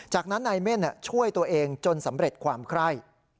จากนั้นนายเม่นช่วยตัวเองจนสำเร็จความไคร่